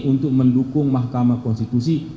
untuk mendukung mahkamah konstitusi